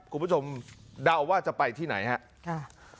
คุณผู้ชมเดาว่าจะไปที่ไหนครับ